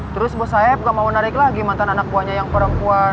terus bos saya gak mau narik lagi mantan anak buahnya yang perempuan